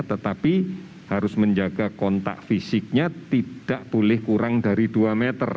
tetapi harus menjaga kontak fisiknya tidak boleh kurang dari dua meter